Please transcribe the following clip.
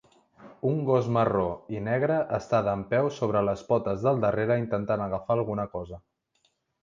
Un gos marró i negre està dempeus sobre les potes del darrera intentant agafar alguna cosa.